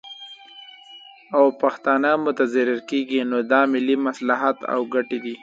او پښتانه متضرر کیږي، نو دا ملي مصلحت او ګټې دي